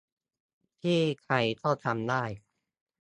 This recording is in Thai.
ที่ใครก็ทำได้